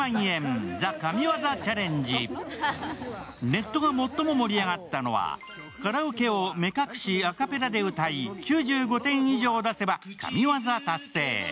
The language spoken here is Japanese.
ネットが最も盛り上がったのはカラオケを目隠し、アカペラで歌い９５点以上出せば、神業達成。